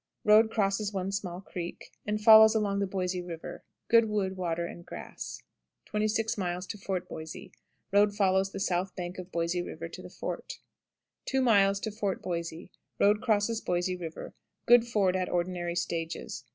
Road crosses one small creek, and follows along the Boisè River. Good wood, water, and grass. 26. Fort Boisè. Road follows the south bank of Boisè River to the fort. 2. Fort Boisè. Road crosses Boisè River. Good ford at ordinary stages.